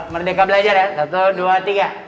merdeka belajar ya satu dua tiga